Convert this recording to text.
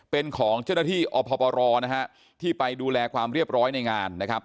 เป็นของเจ้าหน้าที่อพปรนะฮะที่ไปดูแลความเรียบร้อยในงานนะครับ